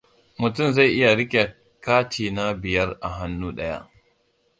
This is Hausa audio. Mutum zai iya rike katina biyar a hannu ɗaya.